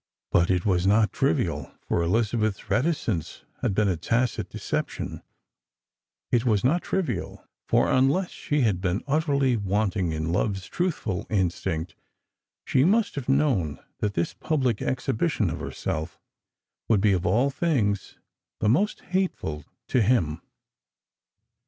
But it vas not trivial — for Elizabeth's reticence had been a tacit deception — it was not trivial — for unless she had been ut terly wanting in love's truthful instinct, she must have known that this public exhibition of herself would be of all things the moat hateful to him.